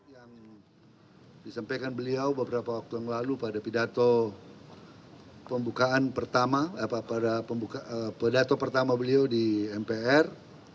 yang disampaikan beliau beberapa waktu yang lalu pada pidato pembukaan pertama pada pidato pertama beliau di mpr